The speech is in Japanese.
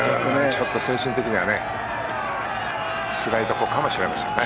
ちょっと精神的にはねつらいところかもしれませんね。